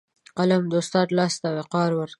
قلم د استاد لاس ته وقار ورکوي